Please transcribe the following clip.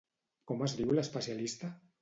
Com es diu l'especialista?